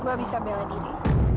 gue bisa bela diri